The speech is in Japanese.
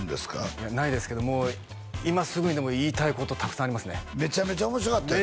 いやないですけども今すぐにでも言いたいことたくさんありますねめちゃめちゃ面白かったよね？